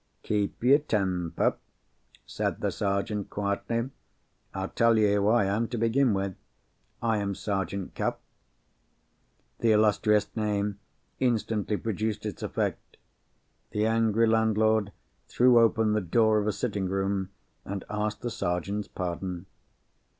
"Keep your temper," said the Sergeant, quietly. "I'll tell you who I am to begin with. I am Sergeant Cuff." The illustrious name instantly produced its effect. The angry landlord threw open the door of a sitting room, and asked the Sergeant's pardon.